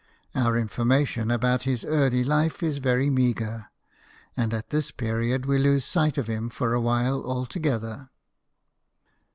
Our information about his early life is very meagre, and at this period we lose sight of him for a while altogether.